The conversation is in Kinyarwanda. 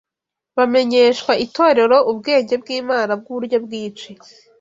bamenyeshwa Itorero ubwenge bw’Imana bw’uburyo bwinshi